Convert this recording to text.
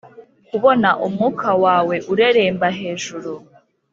kubona umwuka wawe ureremba hejuru,